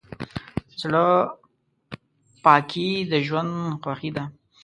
زړه پاکي د ژوند خوښي ده.